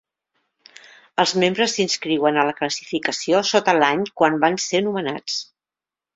Els membres s'inscriuen a la classificació sota l'any quan van ser nomenats.